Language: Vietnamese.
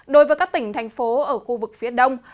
đối với các tỉnh thành phố ở khu vực phía đông